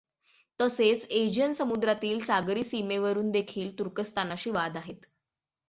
तसेच एजियन समुद्रातील सागरी सीमे वरुन देखील तुर्कस्तानाशी वाद आहेत.